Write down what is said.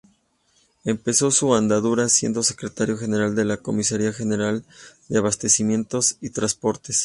Empezó su andadura siendo secretario general de la Comisaría General de Abastecimientos y Transportes.